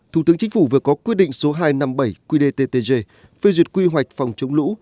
thủ tướng chính phủ vừa có quyết định số hai trăm năm mươi bảy quy đê ttg phê duyệt quy hoạch phòng trung lũ